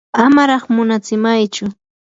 amaraq munatsimaychu.